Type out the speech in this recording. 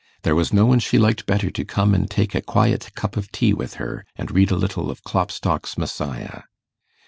There was no one she liked better to come and take a quiet cup of tea with her, and read a little of Klopstock's 'Messiah.